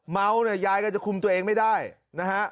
เมาเนี่ยยายก็จะคุมตัวเองไม่ได้นะฮะ